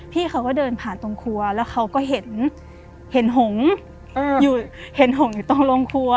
พี่เขาก็เดินผ่านตรงครัวแล้วเขาก็เห็นหงษ์อยู่ตรงโรงครัว